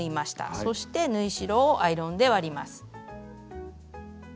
そして縫い代をアイロンで割ります。